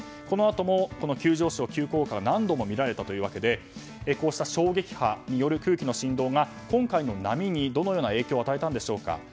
このあとも急上昇、急降下が何度も見られたわけでこうした衝撃波による空気の振動が今回の波にどのような影響を与えたんでしょうか。